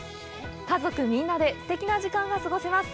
家族みんなですてきな時間が過ごせます。